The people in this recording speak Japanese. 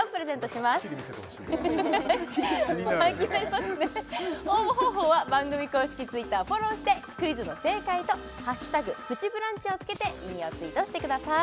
それはっきり見せてほしいな気になるよ応募方法は番組公式Ｔｗｉｔｔｅｒフォローしてクイズの正解と「＃プチブランチ」をつけて引用ツイートしてください